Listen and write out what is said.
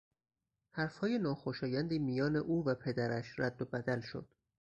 حرفهای ناخوشایندی میان او و پدرش رد و بدل شد.